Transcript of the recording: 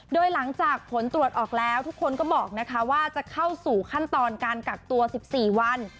โดยหลังจากผลตรวจออกแล้วทุกคนก็บอกนะคะว่าจะเข้าสู่ขั้นตอนการกักตัว๑๔วัน